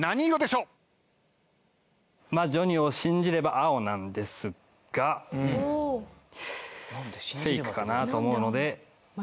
ＪＯＮＩを信じれば青なんですがフェイクかなと思うので黄色で。